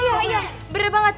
iya iya bener banget